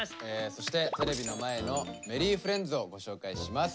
そしてテレビの前のＭｅｒｒｙｆｒｉｅｎｄｓをご紹介します。